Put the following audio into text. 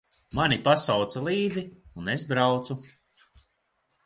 Mani pasauca līdzi, un es braucu.